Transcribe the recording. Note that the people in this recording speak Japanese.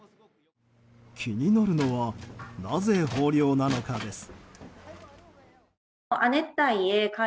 気になるのはなぜ豊漁なのかです。